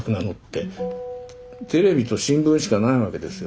テレビと新聞しかないわけですよ。